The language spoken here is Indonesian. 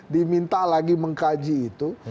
diminta lagi mengkaji itu